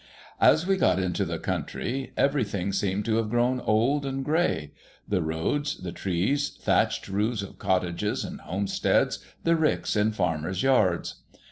As we got into the country, everything seemed to have grown old and gray. The roads, the trees, thatched roofs of cottages and homesteads, the ricks in farmers' yards.